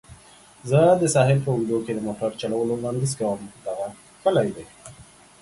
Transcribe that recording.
زه د ساحل په اوږدو کې د موټر چلولو وړاندیز کوم. دغه ښکلې ده.